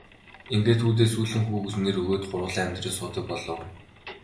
Ингээд хүүдээ Сүүлэн хүү гэж нэр өгөөд гурвуулаа амьдран суудаг болов.